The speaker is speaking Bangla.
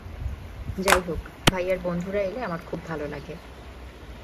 যাই হোক, ভাইয়ার বন্ধুরা এলে আমার খুব ভালো লাগে।